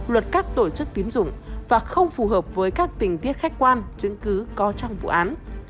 luật các tổ chức tín dụng và không phù hợp với các tình tiết khách quan chứng cứ có trong vụ án